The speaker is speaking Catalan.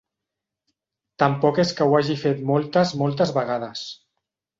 Tampoc és que ho hagi fet moltes moltes vegades.